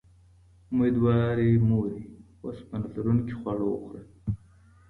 اميدوارې مورې، اوسپنه لرونکي خواړه وخوره